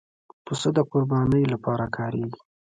پسه د قربانۍ لپاره کارېږي.